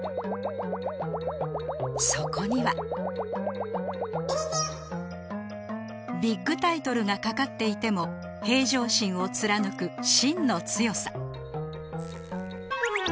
そこにはビッグタイトルがかかっていても平常心を貫く芯の強さ。